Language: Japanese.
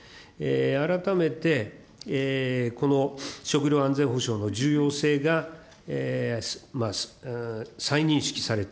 改めて、この食料安全保障の重要性が、再認識された。